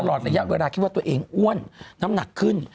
ตลอดระยะเวลาคิดว่าตัวเองอ้วนน้ำหนักขึ้น